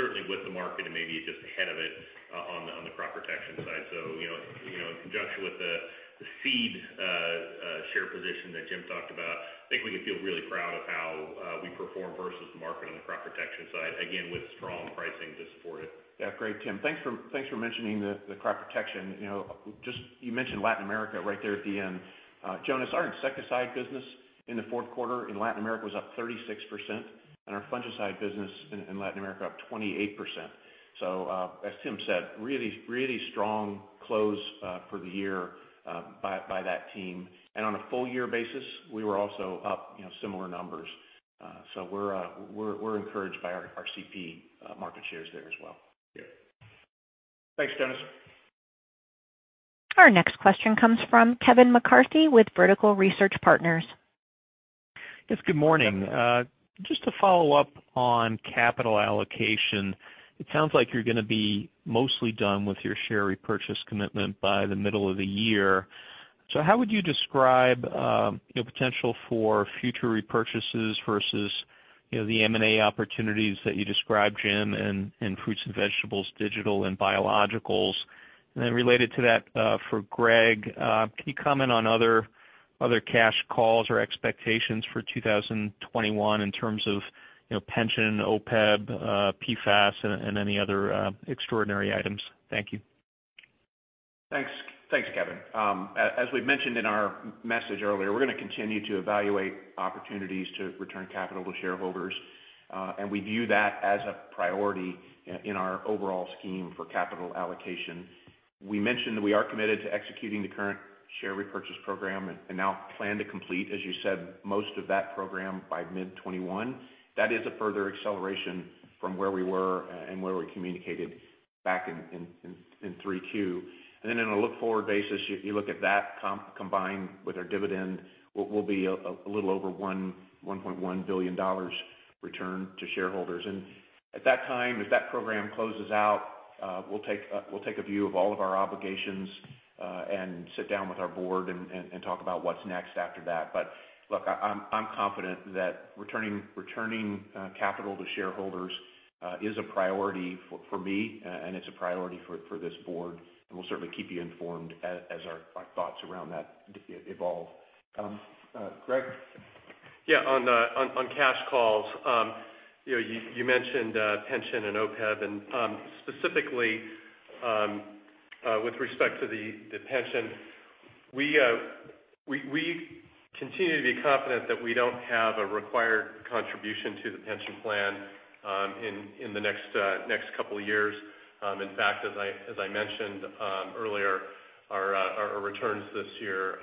certainly with the market and maybe just ahead of it on the crop protection side. In conjunction with the seed share position that Jim talked about, I think we can feel really proud of how we performed versus the market on the crop protection side, again, with strong pricing to support it. Yeah. Great, Tim. Thanks for mentioning the crop protection. You mentioned Latin America right there at the end. Jonas, our insecticide business in the fourth quarter in Latin America was up 36%, and our fungicide business in Latin America up 28%. As Tim said, really strong close for the year by that team. On a full year basis, we were also up similar numbers. We're encouraged by our CP market shares there as well. Yeah. Thanks, Jonas. Our next question comes from Kevin McCarthy with Vertical Research Partners. Yes. Good morning. Just to follow up on capital allocation, it sounds like you're going to be mostly done with your share repurchase commitment by the middle of the year. How would you describe your potential for future repurchases versus the M&A opportunities that you described, Jim, in fruits and vegetables, digital and biologicals? Related to that, for Greg, can you comment on other cash calls or expectations for 2021 in terms of pension, OPEB, PFAS, and any other extraordinary items? Thank you. Thanks, Kevin. As we mentioned in our message earlier, we're going to continue to evaluate opportunities to return capital to shareholders, and we view that as a priority in our overall scheme for capital allocation. We mentioned that we are committed to executing the current share repurchase program and now plan to complete, as you said, most of that program by mid 2021. That is a further acceleration from where we were and where we communicated back in 3Q. Then on a look-forward basis, you look at that combined with our dividend, will be a little over $1.1 billion return to shareholders. At that time, as that program closes out, we'll take a view of all of our obligations and sit down with our board and talk about what's next after that. Look, I'm confident that returning capital to shareholders is a priority for me, and it's a priority for this board, and we'll certainly keep you informed as our thoughts around that evolve. Greg? Yeah. On cash calls, you mentioned pension and OPEB, and specifically, with respect to the pension, we continue to be confident that we don't have a required contribution to the pension plan in the next couple of years. In fact, as I mentioned earlier, our returns this year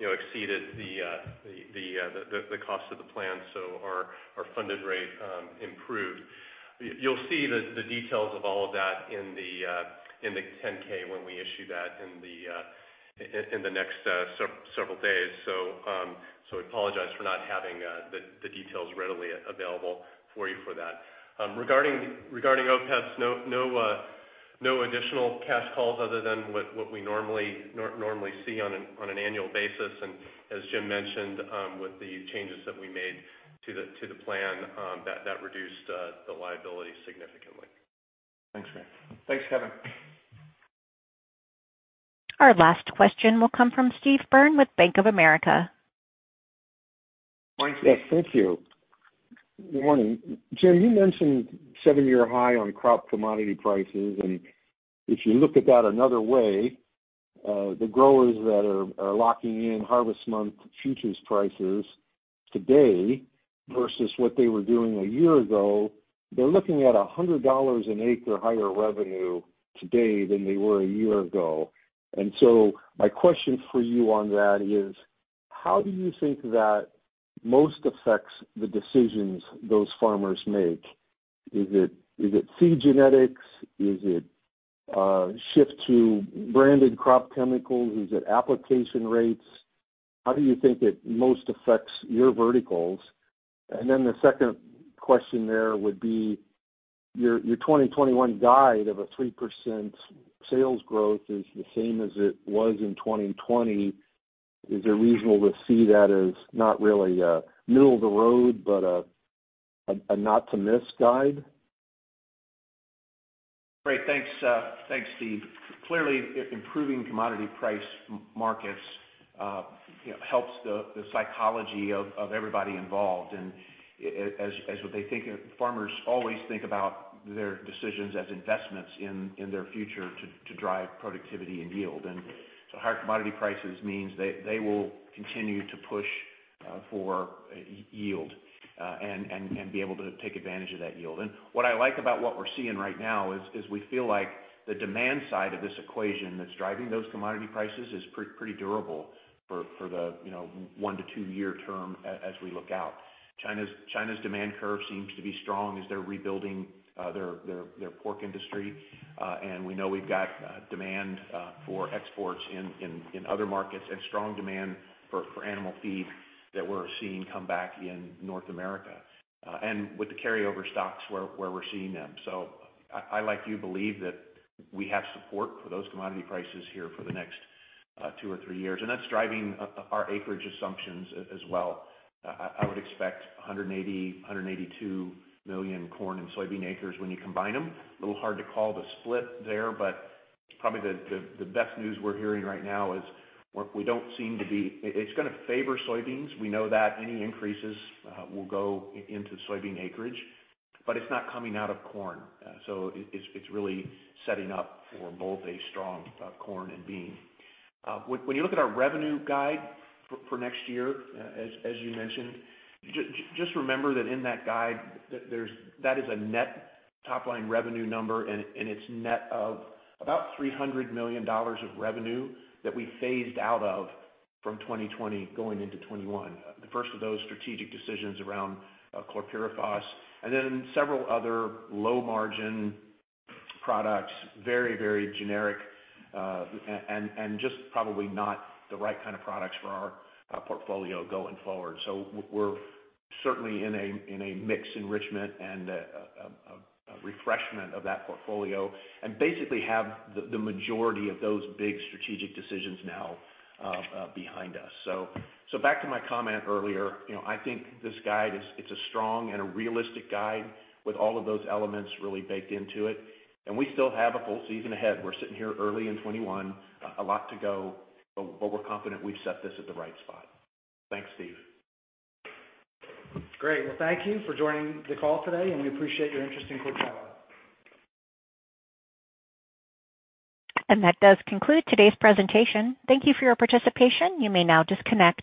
exceeded the cost of the plan, our funded rate improved. You'll see the details of all of that in the 10-K when we issue that in the next several days. I apologize for not having the details readily available for you for that. Regarding OPEBs, no additional cash calls other than what we normally see on an annual basis. As Jim mentioned, with the changes that we made to the plan, that reduced the liability significantly. Thanks, Greg. Thanks, Kevin. Our last question will come from Steve Byrne with Bank of America. Good morning, Steve. Yes. Thank you. Good morning. Jim, you mentioned seven year high on crop commodity prices. If you look at that another way, the growers that are locking in harvest month futures prices today versus what they were doing a year ago, they're looking at $100 an acre higher revenue today than they were a year ago. My question for you on that is, how do you think that most affects the decisions those farmers make? Is it seed genetics? Is it shift to branded crop chemicals? Is it application rates? How do you think it most affects your verticals? The second question there would be, your 2021 guide of a 3% sales growth is the same as it was in 2020. Is it reasonable to see that as not really a middle of the road, but a not-to-miss guide? Great. Thanks, Steve. Clearly, improving commodity price markets helps the psychology of everybody involved. As farmers always think about their decisions as investments in their future to drive productivity and yield. Higher commodity prices means they will continue to push for yield and be able to take advantage of that yield. What I like about what we're seeing right now is we feel like the demand side of this equation that's driving those commodity prices is pretty durable for the one to two year term as we look out. China's demand curve seems to be strong as they're rebuilding their pork industry. We know we've got demand for exports in other markets and strong demand for animal feed that we're seeing come back in North America with the carryover stocks where we're seeing them. I, like you, believe that we have support for those commodity prices here for the next two or three years, and that's driving our acreage assumptions as well. I would expect 180 million-182 million corn and soybean acres when you combine them. A little hard to call the split there, but probably the best news we're hearing right now is it's going to favor soybeans. We know that any increases will go into soybean acreage, but it's not coming out of corn. It's really setting up for both a strong corn and bean. When you look at our revenue guide for next year, as you mentioned, just remember that in that guide, that is a net top-line revenue number, and it's net of about $300 million of revenue that we phased-out of from 2020 going into 2021. The first of those strategic decisions around chlorpyrifos and then several other low-margin products, very generic, and just probably not the right kind of products for our portfolio going forward. We're certainly in a mix enrichment and a refreshment of that portfolio and basically have the majority of those big strategic decisions now behind us. Back to my comment earlier, I think this guide is a strong and a realistic guide with all of those elements really baked into it. We still have a full season ahead. We're sitting here early in 2021, a lot to go. We're confident we've set this at the right spot. Thanks, Steve. Great. Thank you for joining the call today, and we appreciate your interest in Corteva. That does conclude today's presentation. Thank you for your participation. You may now disconnect.